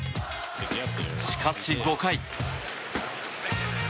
しかし、５回。